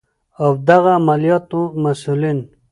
او د دغه عملیاتو مسؤلین